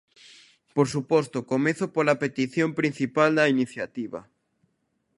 Por suposto, comezo pola petición principal da iniciativa.